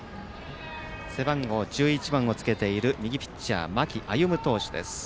背番号１１番をつけている右ピッチャー、間木歩投手です。